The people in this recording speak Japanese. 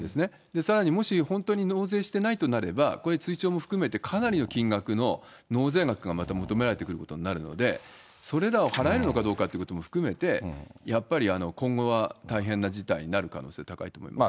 さらにもし本当に納税していないとなれば、これ、追徴も含めて、かなりの金額の納税額がまた求められてくることになるので、それらを払えるのかどうかってことも含めて、やっぱり今後は大変な事態になる可能性、高いと思いますね。